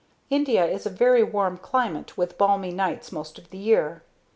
India is a very warm climate with balmy nights most of the year.